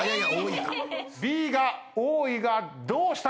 Ｂが多いがどうした？